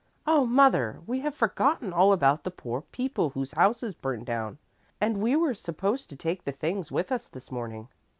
"Oh, mother, we have forgotten all about the poor people whose houses burnt down and we were supposed to take the things with us this morning."